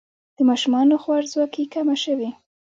د ماشومانو خوارځواکي کمه شوې؟